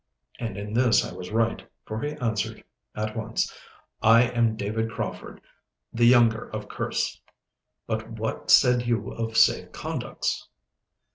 And in this I was right, for he answered at once,— 'I am David Crauford the younger of Kerse, but what said you of safe conducts?